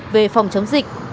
về phòng chống dịch